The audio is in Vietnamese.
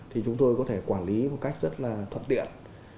thì chúng tôi có thể quản lý một cách rất lớn